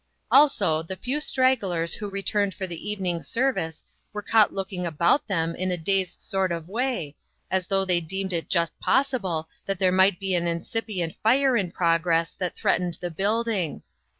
Also the few stragglers who returned for the evening service were caught looking about them in a dazed sort of way, as though they deemed it just possible that there might be an incipient fire in progress that threatened the building.